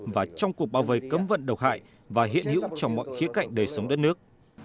và trong cuộc bảo vệ cấm vận độc hại và hiện hữu trong mọi khía cạnh để sống đất nước